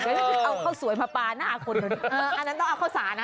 เอาข้าวสวยมาปลาหน้าคนอันนั้นต้องเอาข้าวสารอ่ะ